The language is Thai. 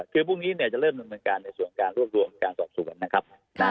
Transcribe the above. คือพรุ่งนี้จะเริ่มกำลังการในส่วนกลางรวมการสอบสู่กันนะครับ